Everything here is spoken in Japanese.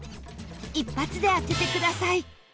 一発で当ててください